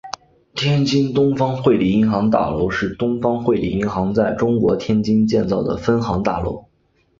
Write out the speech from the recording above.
天津东方汇理银行大楼是东方汇理银行在中国天津建造的分行大楼。